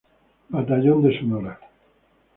Batallón de Sonora.